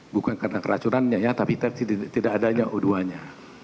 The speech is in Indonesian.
bukan karena keracunannya ya tapi tidak adanya o dua nya